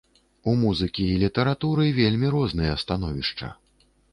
У музыкі і літаратуры вельмі розныя становішча.